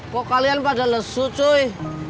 kok kalian pada lesu cui